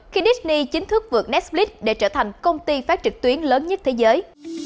khi nickny chính thức vượt netflix để trở thành công ty phát trực tuyến lớn nhất thế giới